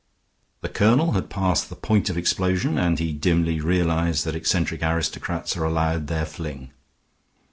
The colonel had passed the point of explosion, and he dimly realized that eccentric aristocrats are allowed their fling.